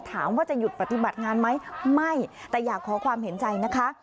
ถามว่าจะหยุดปฏิบัติงานไหมไม่แต่อยากขอความเห็นใจนะคะ